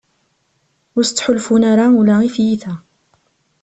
Ur as-ttḥulfun ara ula i tyita.